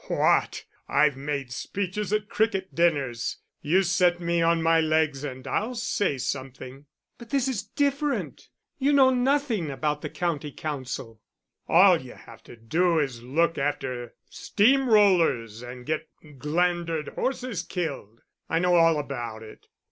"What! I've made speeches at cricket dinners; you set me on my legs and I'll say something." "But this is different you know nothing about the County Council." "All you have to do is to look after steam rollers and get glandered horses killed. I know all about it."